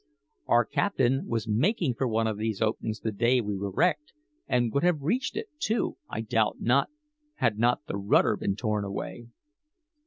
Our captain was making for one of these openings the day we were wrecked and would have reached it, too, I doubt not, had not the rudder been torn away.